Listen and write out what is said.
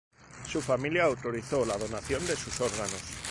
Su familia autorizó la donación de sus órganos.